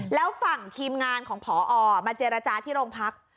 แล้วฝั่งทีมงานของพอมาเจรจาที่โรงพัก